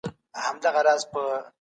دوی له ځمکې سره مینه لري.